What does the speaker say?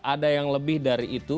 ada yang lebih dari itu